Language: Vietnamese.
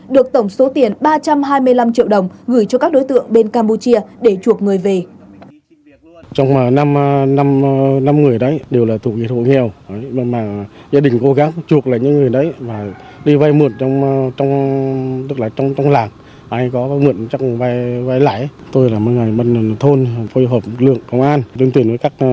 được tổng số tiền ba trăm hai mươi năm triệu đồng gửi cho các đối tượng bên campuchia để chuộc người về